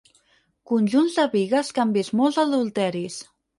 Conjunts de bigues que han vist molts adulteris.